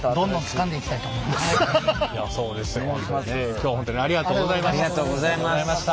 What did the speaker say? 今日本当にありがとうございました。